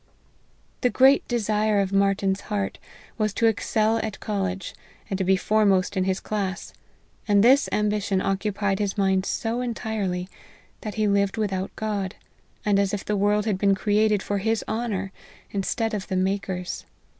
The great desire of Martyn's heart was to excel at college, and to be foremost in his class, and this ambition .occupied his mind so entirely, that he lived without God, and as if the world had been created for his honor, instead of the Maker's.